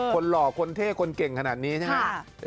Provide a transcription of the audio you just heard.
หล่อคนเท่คนเก่งขนาดนี้ใช่ไหม